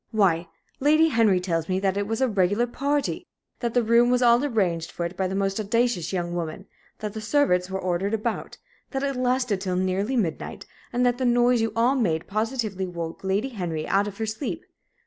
Why, Lady Henry tells me that it was a regular party that the room was all arranged for it by that most audacious young woman that the servants were ordered about that it lasted till nearly midnight, and that the noise you all made positively woke Lady Henry out of her sleep.